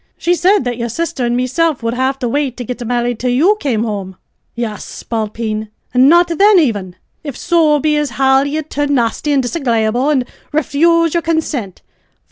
She sid that yer sisther an' mesilf wu'ld have to wait to git marri'd till you came home, ye spalpeen; an' not thin aven, if so be as how ye'd turn nasty an' disagreyable, an' refuse yer consint.